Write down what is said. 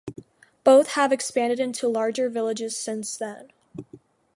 Both have expanded into larger villages since then.